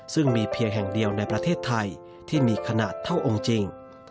ซึ่งมีเพียงแห่งเดียวในประเทศไทยที่มีขนาดเท่าองค์จริง